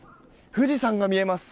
富士山が見えます。